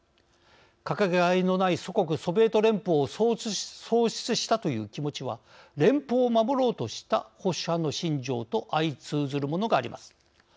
かけがえのない祖国ソビエト連邦を喪失したという気持ちは連邦を守ろうとした保守派の心情と相通ずるものがあります。